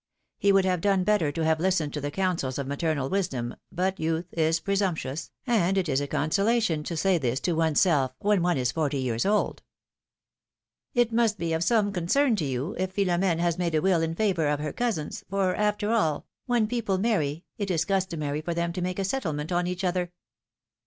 He would have done better to have listened to the counsels of maternal wisdom, but youth is presumptuous, and it is a consolation to say this to one's self, when one is forty years old. ^^It must be of some concern to you, if Philomene has made a will in favor of her cousins, for after all, when people marry, it is customary for them to make a settle ment on each other."